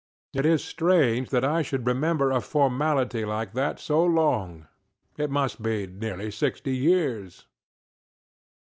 It is strange that I should remember a formality like that so long; it must be nearly sixty years.